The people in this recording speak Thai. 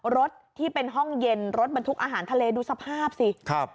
รถที่เป็นห้องเย็นรถบรรทุกอาหารทะเลดูสภาพสิครับ